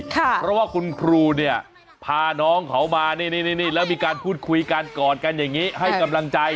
เพราะว่าคุณครูเนี่ยพาน้องเขามานี่แล้วมีการพูดคุยกันกอดกันอย่างนี้ให้กำลังใจ